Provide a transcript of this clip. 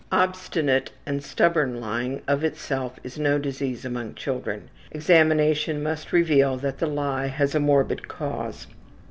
Obstinate and stubborn lying of itself is no disease among children; examination must reveal that the lie has a morbid cause.